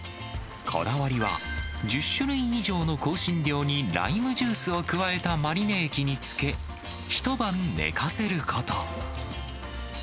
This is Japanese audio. こだわりは、１０種類以上の香辛料に、ライムジュースを加えたマリネ液に漬け、一晩寝かせること。